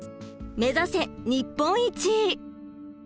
目指せ日本一！